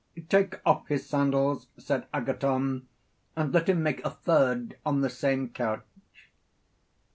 Take off his sandals, said Agathon, and let him make a third on the same couch.